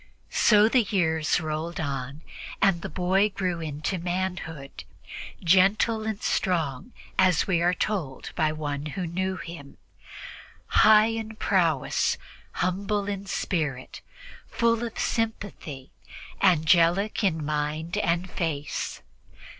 So the years rolled on, and the boy grew into manhood, "gentle and strong," as we are told by one who knew him, "high in prowess, humble in spirit, full of sympathy, angelic in mind and face."